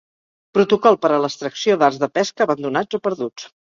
Protocol per a l'extracció d'arts de pesca abandonats o perduts.